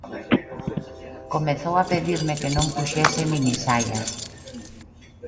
Comezou a pedirme que non puxese minisaias.